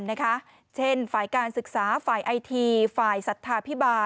เต้นพี่น้ำคาดเดียวขึ้นให้โดยธรรมดา